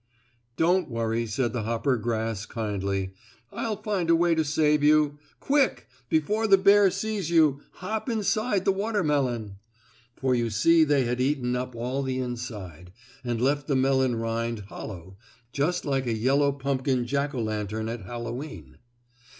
"Don't worry," said the hoppergrass, kindly. "I'll find a way to save you. Quick! Before the bear sees you, hop inside the watermelon," for you see they had eaten up all the inside, and left the melon rind hollow, just like a yellow pumpkin Jack o' lantern, at Hallowe'en.